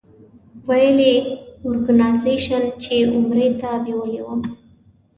ویل یې اورګنایزیش چې عمرې ته بېولې وم.